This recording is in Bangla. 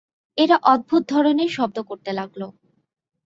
এরা অদ্ভুত একধরনের শব্দ করতে লাগল!